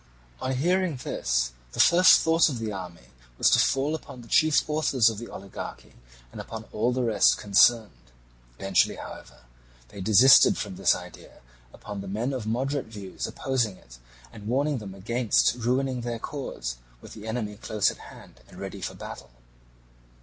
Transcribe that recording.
On hearing this the first thought of the army was to fall upon the chief authors of the oligarchy and upon all the rest concerned. Eventually, however, they desisted from this idea upon the men of moderate views opposing it and warning them against ruining their cause, with the enemy close at hand and ready for battle.